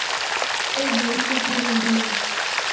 اے بڑی تے سہنڑی بھی اے۔